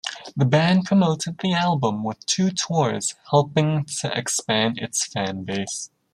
The band promoted the album with two tours helping to expand its fan base.